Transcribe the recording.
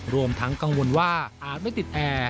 รวมทั้งกังวลว่าอาจไม่ติดแอร์